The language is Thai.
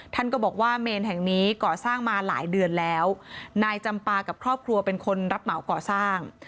ท่านก็บอกว่าเมนแห่งนี้ก่อสร้างมาหลายเดือนแล้วนายจำปากับครอบครัวเป็นคนรับเหมาก่อสร้าง